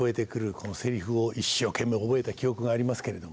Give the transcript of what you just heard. このセリフを一生懸命覚えた記憶がありますけれども。